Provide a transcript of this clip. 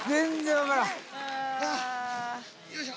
よいしょ！